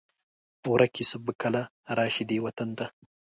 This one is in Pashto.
ورک یوسف به کله؟ راشي دې وطن ته